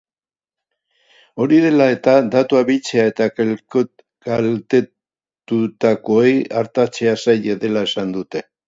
Hori dela eta, datuak biltzea eta kaltetutakoei artatzea zaila dela esan dute.